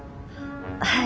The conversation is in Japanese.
はい。